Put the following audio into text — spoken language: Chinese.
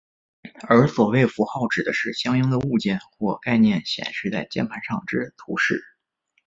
而所谓符号指的是相应的物件或概念显示在键盘上之图示。